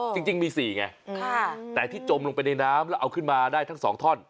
จริงมี๔ไงแต่ที่จมลงไปในน้ำแล้วเอาขึ้นมาได้ทั้ง๒ท่อน